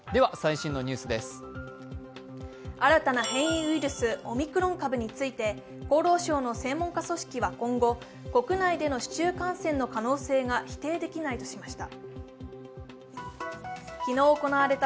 新たな変異ウイルス、オミクロン株について、厚労省の専門家組織は今後、国内での市中感染の可能性が否定できないとしました。